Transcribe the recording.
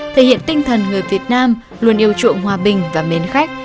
thể hiện tinh thần người việt nam luôn yêu chuộng hòa bình và mến khách